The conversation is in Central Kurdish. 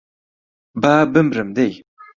با بمرم دەی